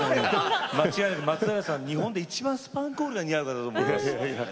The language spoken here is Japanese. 間違いなく松平さん日本で一番スパンコールが似合う方だと思います。